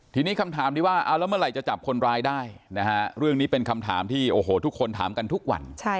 ทีนี้คำถามที่ว่าเอาแล้วเมื่อไหร่จะจับคนร้ายได้นะฮะเรื่องนี้เป็นคำถามที่โอ้โหทุกคนถามกันทุกวัน